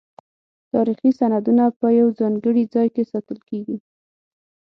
تاریخي سندونه په یو ځانګړي ځای کې ساتل کیږي.